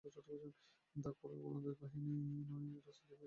দা কুড়াল গোলন্দাজ বাহিনী নয়, রাজনীতি ফিরে পাক রাজনীতির ভাষা।